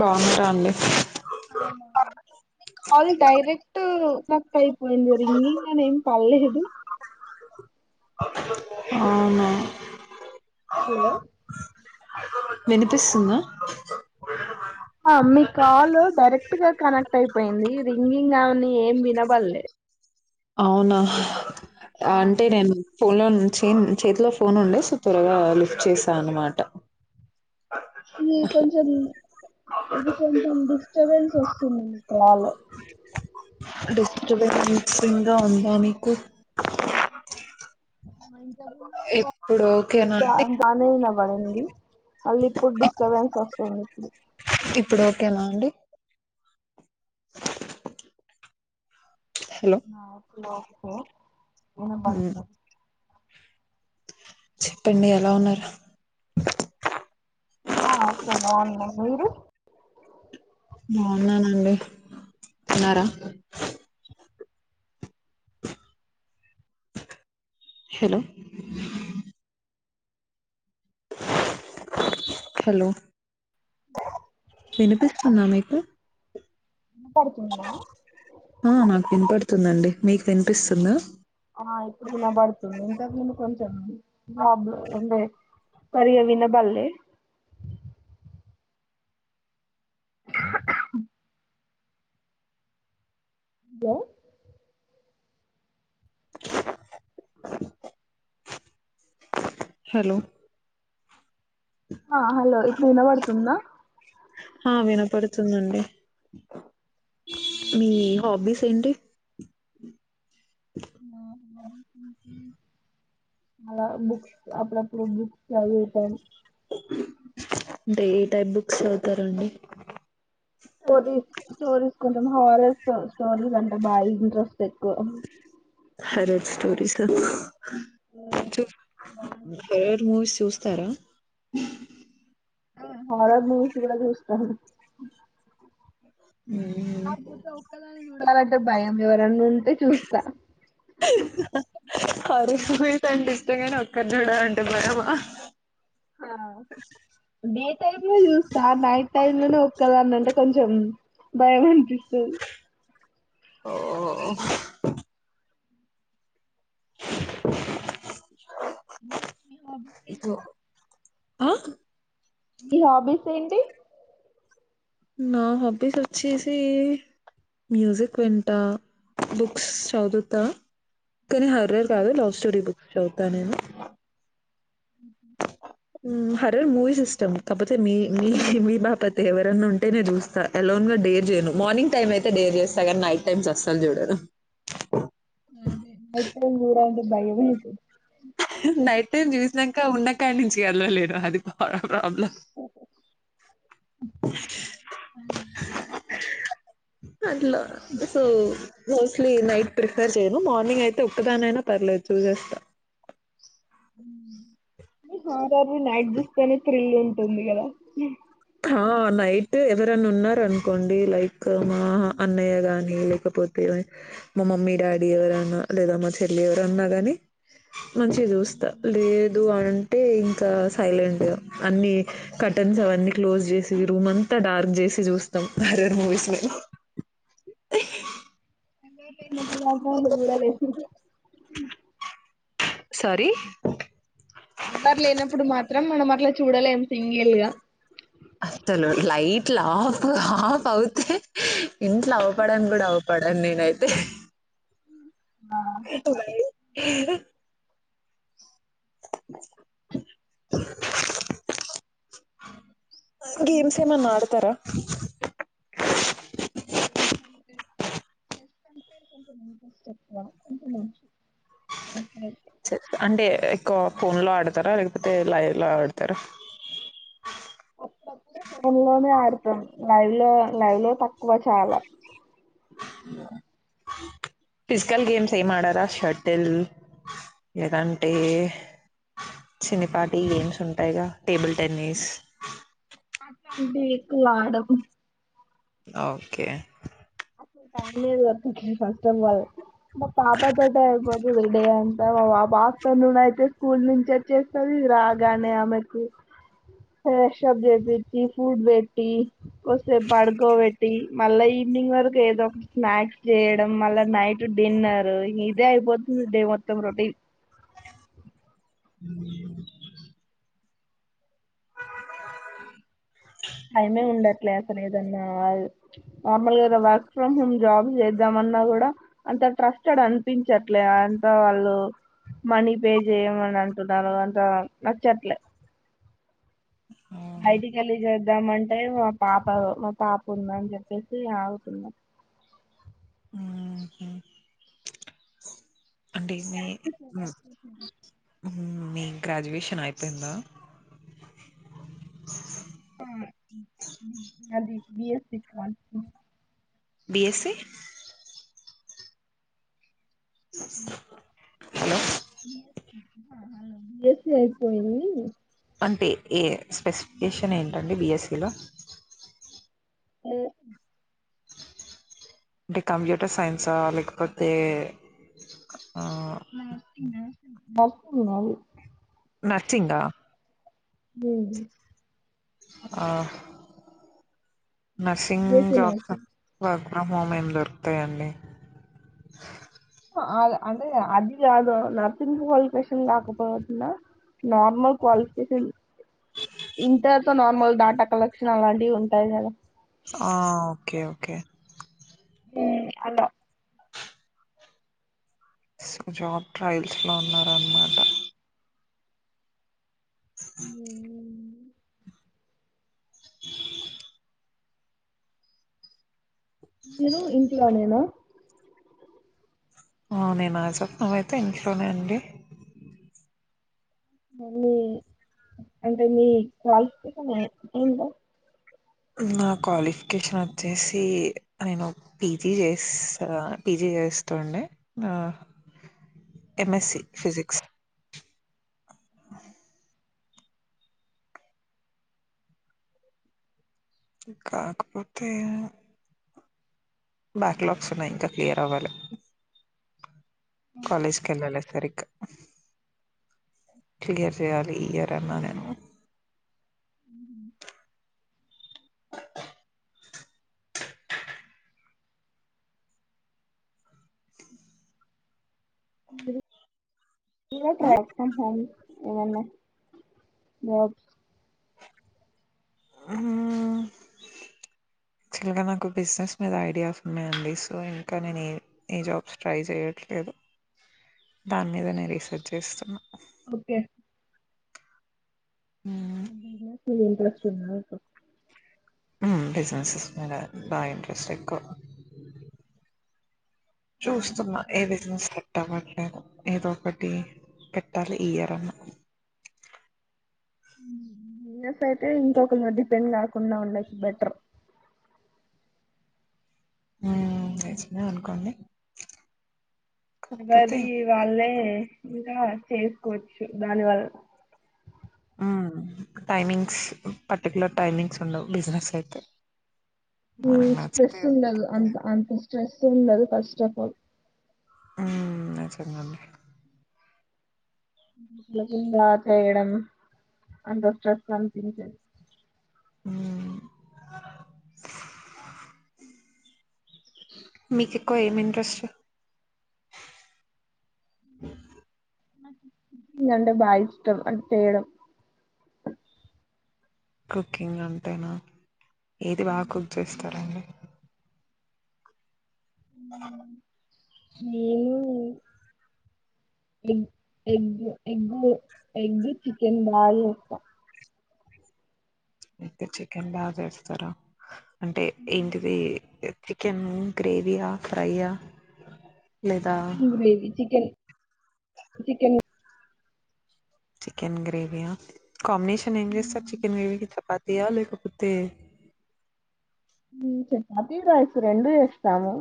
బాగున్నారా అండి all direct [unintelligible] [unintelligible] రింగిం అనేం పల్లేదు హ్ అవునా హలో వినిపిస్తుందా ఆ మీ కాల్ డైరెక్ట్ గా కనెక్ట్ అయిపోయింది. రింగింగ్ కాని ఏం వినబడలే. అవునా ఆ అంటే నేను పులన్ హ్ చెన్ చేతిలో ఫోన్ ఉండే సో త్వరగా లిఫ్ట్ చేసా అన్నమాట ఇది కొంచెం ఇది కొంచెం డిస్టర్బెన్స్ వస్తుంది. మీ కల్ డిస్ట్రిబెన్సింగ ఉందా మీకు మం ఇప్పుడు ఓకేనా అండీ. పడింది. మాళ్ళ ఇప్పుడు డిస్టర్బెన్స్ వస్తుంది. ఇప్పుడు ఓకేనా అండి. హలో నాకు లోపు మ్మ్. వినబడుతున్నది. చెప్పండి. ఎలా ఉన్నారు. ఆ ఓకే బాగున్నాం. మీరు బాగున్నానండి. తీన్నారా హలో హలో వినిపిస్తుందా మీకు వినపడుతుందా ఆ నాకు వినిపడుతుందండి మీకు వినిపిస్తుంద ఆ ఇప్పుడు వినబడుతుంది ఇంతక ముందు కొంచెం ప్రాబ్లం ఉండే సరిగా వినబడలే [inaudible] హలో హలో ఆ హలో ఇప్పుడు వినబడుతుందా ఆ వినపడుతుందండి మీ హాబీస్ తిండి మ బుక్స్ అప్పుడు అప్పుడు బుక్స్ చదువుతాను అంటే ఏ టైప్ బుక్స్ చదువుతారండి నోరూరి నోరూర్ కొంచెం హారర్ స్టోరీస్ అంటే బాగా ఇంట్రెస్ట్ ఎక్కువ హారర్ స్టోరీస్ అడుగుతా చెప్ ఎవర్ మూవీస్ చూస్తారా మ్మ్ హమారా జూస్ కూడా చేస్తాను హ్మ్ కాకపోతే ఒక్కదాన్నే చూ ాలే భయం ఎవరండి దే చూస్తా హారర్ మూవీస్ అంటే ఇష్టం గాని ఒక్కటీ చూడాలంటే భయం హా డే టైమ్ లో చూస్తా నైట్ టైమ్ లోనే ఒక్కదాన్ని అంటే కొంచెం భయం అండి త్రూ ఓ [inaudible] ఇప్పు ఆ మీ హాబీస్ ఏంటి నా హాబీస్ వచ్చేసి మ్యూజిక్ వింటా బుక్స్ చదువుతా కానీ హర్రర్ కాదు లవ్ స్టోరీ బుక్స్ చదువుతా నేను మ్మ్ హు మ్మ్ హరర్ మూవీస్ ఇస్ష్టం కాకపోతే మీ మీ మీ బాపతి ఎవరన్నా ఉంటే నేను చూస్తా ఎలోన్ గా డేర్ చేయను మార్నింగ్ టైమ్ అయితే డేర్ చేస్తా కానీ నైట్ టైమ్స్ అసలు చూడను ఆది నైట్ టైమ్ చూడాలి అంటే భయమయితది నైట్ టైమ్ చూస్నంక ఇకా ఉండకాడి నుంచి వెళ్ళలేను అది పో ప్రాబ్లమ్ అట్లా సో మోస్ట్లీ నైట్ ప్రిఫర్ చేయను మార్నింగ్ అయితే ఉక్కదాని అయినా పర్లేదు చూసేస్తా మ్మ్ ఆ ఇట్లాటివి నైట్ దూస్తేనే థ్రిల్ ఉన్ ఉందిగద. ఆ నైట్ ఎవరనా, ఉన్నార అనుకోండి, లైక్. మ అన్నయగానీ. లె లేకపోతే, మా మమ్మీ డాడీ ఎవరన్నా, లేదా మా చెల్లి ఎవరన్నా, గాని. మంచిగా చూస్తా, లే. ఊ అంటే ఇంకా, సైలెంట్, అన్ని, కటన్స్ అవన్నీ, క్లోజ్ చేసి, రూమ్ అంతా, డార్క్ జెసి, జుస్తాం, ఆరర్ మూవీస్, మేము. [unintelligible] సారీ. ఎవరు లేనప్పుడు మాత్రం మనం అట్లా, చూడలేం, సింగిల్ గా. అసలు లైట్లు, ఆఫ్ ఆఫ్ అవుతే, ఇంట్లో అవుపడను కూడా, అవుపడను నేనైతే. ఆ [inaudible] గేమ్స్ ఏమన్న, ఆడతారా. [inaudible] సే అంటే. ఫోన్ లో ఆడతారా, లేకపోతే, లైవ్ లో ఆడతారా. ఫోన్ లోనే ఆడుతాం, లైవ్ లో, లైవ్ లో తక్కువ చాలా. ఫిజికల్ గేమ్స్ ఏం ఆడారా, షటిల్, లేదంటే, చిన్నీపాటి గేమ్స్ ఉంటాయిగా, టేబుల్ టెన్నిస్. లాండాకు. ఓకే. లేదు ఎఫు కి ఫస్ట్ టైమ్ గాదు. మా పాప తోటే, ఐపోతాది, డే అంతా మా. బస్త నూన అయితే స్కూల్ నుంచి వొచ్చేస్తుది, రాగానే ఆమెకు, ప్రేషఫ్ జెపించి, ఫుడ్ పెట్టి, కొసేపు పడుకోబెట్టి, మళ్ళ ఇ. మవార్నింగ్ వరకు ఏదో ఒకటి స్నాక్స్ చేయడం, మళ్ళా నైట్ డిన్నర్, ఇదే అయిపోతుంది, డే మొత్తం, రొటీన్. అ టైమే ఉండట్లే అసలు ఏదన్నా, నార్మల్గా ఏదన్న వర్క్ ఫ్రమ్ హోమ్ జాబ్ చేద్దామన్నా, కూడా, అంత ట్రస్టడ్ అనిపించట్లే, అంత వాళ్ళు, మనీ పే చేయమని అంటున్నారు, అంత నచ్చట్లే. ఆహా ఐటి కాలజ్ అ. వద్దాం అంటే, మా పాప, మా పాప ఉంద అని, చెప్పేసి ఆగుతున్నాం. ఉహు. [unintelligible] గ్రాజ్యువెషన్, అయిపోయిందా. అది. బిఎస్ సి కాల్ఫీ. బీఎస్సి. హలో బిఎస్సి, అయిపోయిది. అంటే, ఏ స్పెసిఫికేషన్ ఏంటండి, బీఎస్సిలో. ఎ. అంటే కంప్యూటర్ సైన్స లేకపోతే ఆ నాస్న బవి నర్సిగ్ హ ఆ nursing BSc job nursing from మీమ్ ఏం దొరుకుతాయంండి అ అంటే అది కాదు నర్సింగ్ క్వాలిఫికేషన్ కాకపోతున్నా నార్మల్ క్వాలిఫికేషన్ ఇంటర్తో నార్మల్ డేటా కలెక్షన్ అలాంటివి ఉంటాయి కదా ఆ ఓకే ఓకే ఓకే హ అలా సో జాబ్ ట్రయల్స్ లో ఉన్న అన్నమాట మీరు ఇంట్లోనేనా నేను ఆ చెప్పనమ అయితే ఇంట్లోనే అండి మీ అంటే మీ క్వాలిఫికేషన్ ఏ ఏంటో నా క్వాలిఫికేషన్ వచ్చేసి నేను పీజీ చేస్తా పీజీ చేస్తుండే ఎంఎస్ సి ఫిజిక్స్ ఆ కాకపోతే బ్యాక్లాగ్స్ ఉన్నాయి ఇంకా క్లియర్ అవ్వాలి కాలేజ్ కళ్ళాల సరికా క్లియర్ చర్యలే ఈ టన్నా నేను అ పూ ట్రాస్మ్ హ ఎ మో యాక్చువల్గా నాకు బిజినెస్ మీద ఐడియాస్ ఉన్నాయంండి సో ఇంకా నేను ఏ ఏ జాబ్స్ ట్రయల్ చేయట్లేదు దాని మీద నేను రీసెర్చ్ చేస్తున్నాను ఓకే జ ఇంట్రెస్ట్ చిన్నా బిజినెసెస్ మ బాగా ఇంటంట్రెస్ట్ ఎక్కువ చూస్తున్నా ఏ బిజినెస్ పాటలని ఏదో ఒకటి పెట్టాలి ఈ ఇయర్ ఆయన బస్ అయితే ఇంకొకరు డిపెండ్ కాకుండా ఉండొచ్చు బెటర్ ఆ లేసమ అనుకోండి కాకపోతే మది వాళ్ళే ఇలా చేసుకోవచ్చు దానివల్ల ఉమ్ టైమింగ్స్ పర్టికు్యలర్ టైమింగ్స్ ఉండవు బిజినెస్ అయితే మనకు ఉమ్ నచ్చితే స్ట్రెస్ ఉండదు ఉంటుంది. అంత అంత స్ట్రెస్ ఉండదు ఫస్ట్ ఆఫ్ ఆల్ ఉమ్ చెందండి ఉమ్ లుకింగ్ రాత ఉమ్ అంతోష్ట థెసాన్ ఉమ్ మీకుకు ఏం ఇంంట్రస్ట్ రంట భాయిష్టష్టం ఆది చేయాడం కుకింగ్ అంటేనా ఏది బాగా కుక్ చేస్తారంండి నేను ఎ ఎగ్ ఎగ్గు ఎగ్ చికెన్ బాల ఇస్తా అయ్తే చికెన్ బగాచేస్థారా అంటే ఏంటిది చికెన్ గ్రేవయా ఫ్రైయా లేదా chicken gravy chicken chicken chicken గ్రేవయా కాంబనేషన్నయం సార్ చికన్ గ్రవీ త పాతయా లేకపోతే చపాతి రైస్ రెండు వస్తాము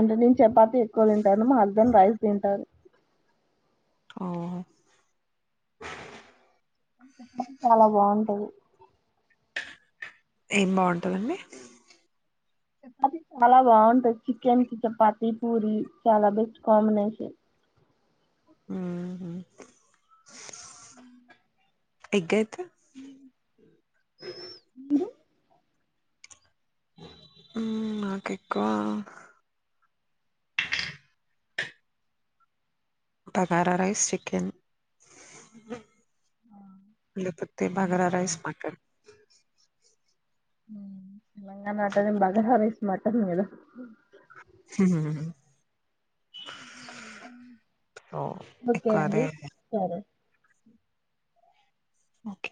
అంటే నేను చపాత ఎక్కువ తింటాను మా హస్బెండ్ రైస్ తింటారు ఓ అ చాలా బాగుంటది ఏం బాగుంటందండి చపాతి చాలా బాగుంటది చికెన్ కి చపాతి పూరి చాలా బెస్ట్ కాంబినేషన్ ఉమ్ హమ్ ఎగ్గైతే మీ అ ఉమ్ ఉమ్ నక్ ఎకువా బగారా రైస్ చికెన్ లేకపోతే బాగరా రైస్ మటన్ ఉమ్ తెలంగాణటనిం బగా హరైస్ మట రోయాలు హు హు హ్మ్ ఓకే ఎక్కువ అండి అదే సరే ఓకే